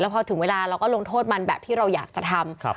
พอถึงเวลาเราก็ลงโทษมันแบบที่เราอยากจะทำ